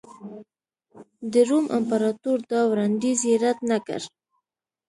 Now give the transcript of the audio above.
د روم امپراتور دا وړاندیز یې رد نه کړ